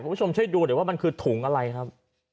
คุณผู้ชมช่วยดูเดี๋ยวว่ามันคือถุงอะไรครับ